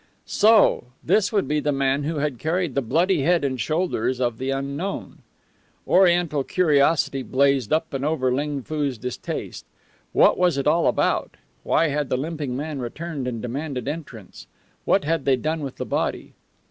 So! This would be the man who had carried the bloody head and shoulders of the unknown. Oriental curiosity blazed up and over Ling Foo's distaste. What was it all about? Why had the limping man returned and demanded entrance? What had they done with the body?